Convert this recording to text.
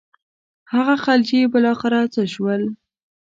هغه خلجي بالاخره څه شول.